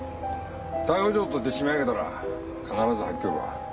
逮捕状取って締め上げたら必ず吐きよるわ。